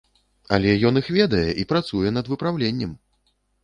Але ён іх ведае і працуе над выпраўленнем!